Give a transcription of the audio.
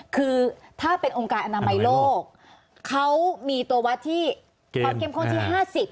คือถ้าเป็นองค์การอนามัยโลกเขามีตัววัดที่ความเข้มข้นที่๕๐